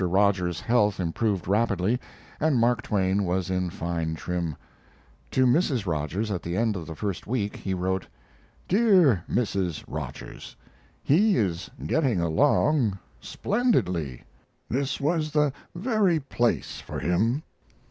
Rogers's health improved rapidly, and Mark Twain was in fine trim. To Mrs. Rogers, at the end of the first week, he wrote: DEAR MRS. ROGERS, He is getting along splendidly! This was the very place for him.